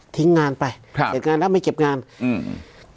งานไปครับเสร็จงานแล้วไม่เก็บงานอืม